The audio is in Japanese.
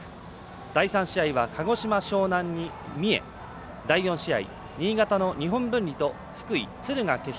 第３試合は鹿児島、樟南に三重第４試合は新潟、日本文理と福井、敦賀気比